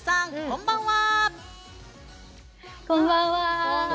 こんばんは。